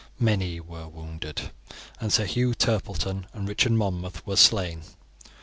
Many were wounded, and Sir Hugh Turpleton and Richard Monmouth were slain.